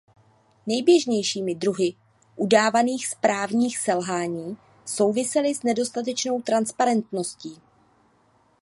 Nejběžnějšími druhy udávaných správních selhání souvisely s nedostatečnou transparentností.